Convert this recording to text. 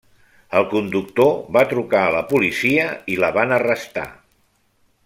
El conductor va trucar a la policia i la van arrestar.